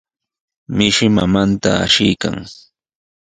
Mishi mamanta ashiykan.